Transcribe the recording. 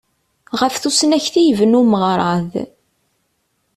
Ɣef tusnakt i yebna umeɣrad.